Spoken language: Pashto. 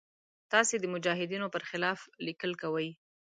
تاسې د مجاهدینو پر خلاف لیکل کوئ.